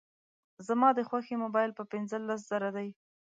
زما د خوښي موبایل په پینځلس زره دی